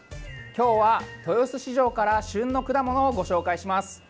今日は、豊洲市場から旬の果物をご紹介します。